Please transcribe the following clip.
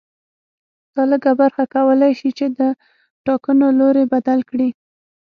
دا لږه برخه کولای شي چې د ټاکنو لوری بدل کړي